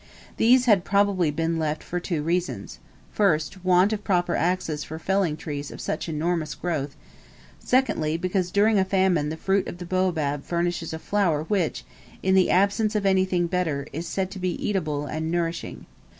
These had probably been left for two reasons: first, want of proper axes for felling trees of such enormous growth; secondly, because during a famine the fruit of the baobab furnishes a flour which, in the absence of anything better, is said to be eatable and nourishing.